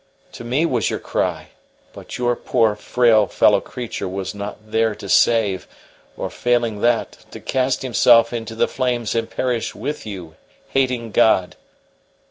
To me was your cry; but your poor, frail fellow creature was not there to save, or, failing that, to cast himself into the flames and perish with you, hating God."